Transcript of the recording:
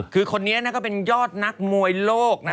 คือคนนี้ก็เป็นยอดนักมวยโลกนะ